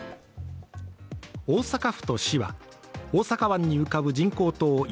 大阪府と市は大阪湾に浮かぶ人工島・夢